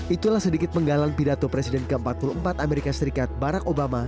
itulah sedikit menggalang pidato presiden ke empat puluh empat amerika serikat barack obama